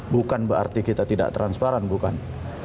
bukan berarti kita tidak transparan bukan